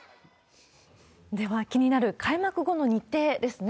では、気になる開幕後の日程ですね。